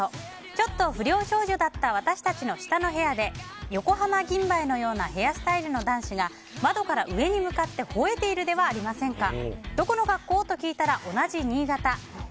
ちょっと不良少女だった私たちの下の部屋で横浜銀蝿のようなヘアスタイルの男子が窓から上に向かって吠えているではありませんか。